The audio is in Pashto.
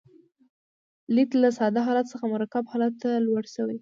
لید له ساده حالت څخه مرکب حالت ته لوړ شوی.